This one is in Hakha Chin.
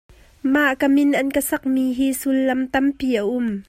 Mah ka min an ka sak mi hi sullam tampi a um.